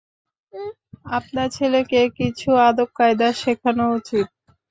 আপনার ছেলেকে কিছু আদবকায়দা শেখানো উচিৎ।